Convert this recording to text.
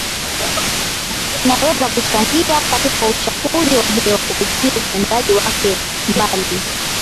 inaweza kuchangia katika uchafuzi wa hewa kupitia utendaji wake mbali